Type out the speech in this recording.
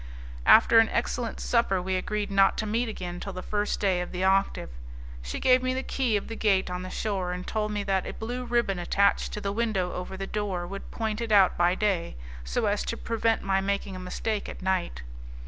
After an excellent supper, we agreed not to meet again till the first day of the octave. She gave me the key of the gate on the shore, and told me that a blue ribbon attached to the window over the door would point it out by day, so as to prevent my making a mistake at night.